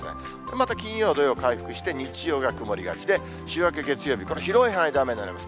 また金曜、土曜、回復して、日曜が曇りがちで、週明け月曜日、広い範囲で雨になります。